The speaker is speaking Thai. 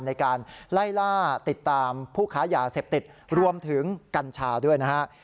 ในการไล่ล่าติดตามผู้ค้ายาเสพติดรวมถึงกัญชาด้วยนะฮะ